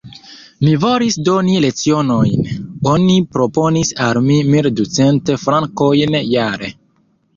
Mi volis doni lecionojn: oni proponis al mi mil ducent frankojn jare.